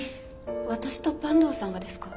私と坂東さんがですか？